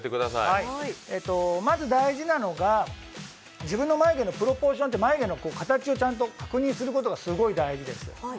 大事なのが自分の眉毛のプロポーション、眉毛の形をちゃんと確認することがすごい大事です。